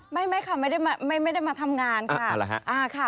ไม่ค่ะไม่ได้มาทำงานค่ะ